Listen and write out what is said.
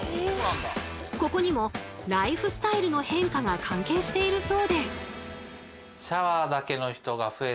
ここにもライフスタイルの変化が関係しているそうで。